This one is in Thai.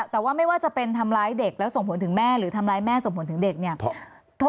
แต่ว่าไม่ว่าจะเป็นทำร้ายเด็กแล้วส่งผลถึงแม่หรือทำร้ายแม่ส่งผลถึงเด็กเนี่ย